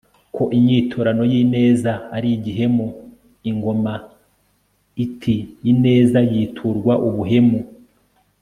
ko inyiturano y'ineza ari igihemu? ingona itiineza yiturwa ubuhemu